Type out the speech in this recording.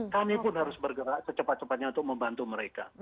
kami pun harus bergerak secepat cepatnya untuk membantu mereka